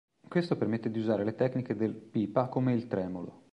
Questo permette di usare le tecniche del "pipa" come il tremolo.